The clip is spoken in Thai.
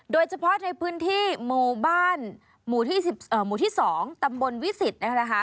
โดยเฉพาะในพื้นที่หมู่บ้านหมู่ที่๒ตำบลวิสิตนะคะ